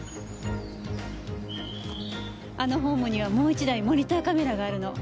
あのホームにはもう１台モニターカメラがあるの。